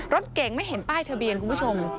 รถเก่งไม่เห็นป้ายทะเบียนคุณผู้ชม